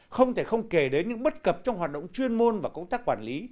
không thể không kể đến những bất cập trong hoạt động chuyên môn và công tác quản lý